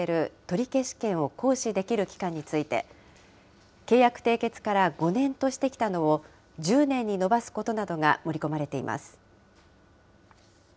取消権を行使できる期間について、契約締結から５年としてきたのを、１０年に延ばすことなどが盛り込まれています。